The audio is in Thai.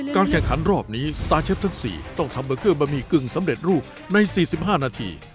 แข่งขันรอบนี้สตาร์เชฟทั้ง๔ต้องทำเบอร์เกอร์บะหมี่กึ่งสำเร็จรูปใน๔๕นาที